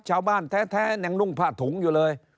ชาวบ้านแท้ยังนุ่งผ้าถุงอยู่เลย